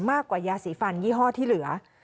มากกว่ายาสีฟันยี่ห้อที่เหลือ